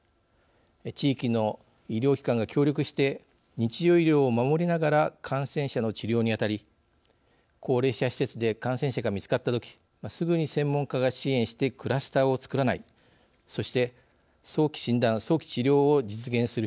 地域の医療機関が協力して日常医療を守りながら感染者の治療にあたり高齢者施設で感染者が見つかったときすぐに専門家が支援してクラスターをつくらないそして早期診断・早期治療を実現する必要があります。